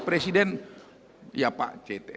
presiden ya pak